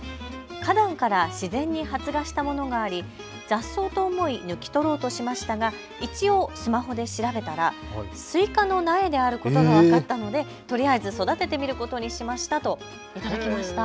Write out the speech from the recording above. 花壇から自然に発芽したものがあり、雑草と思い抜き取ろうとしましたが一応スマホで調べたらスイカの苗であることが分かったのでとりあえず育ててみることにしましたといただきました。